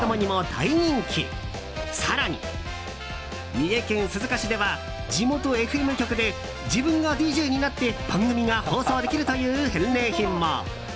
三重県鈴鹿市では地元ＦＭ局で自分がＤＪになって番組が放送できるという返礼品も。